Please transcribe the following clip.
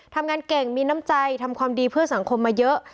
ทำงานเก่งมีน้ำใจทำความดีเพื่อสังคมมาเยอะ